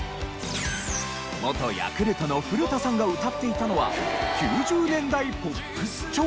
元ヤクルトの古田さんが歌っていたのは９０年代ポップス調。